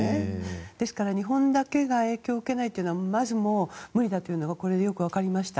ですから、日本だけが影響を受けないというのはまず無理だというのがこれでよくわかりました。